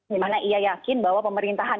dimana ia yakin bahwa pemerintahan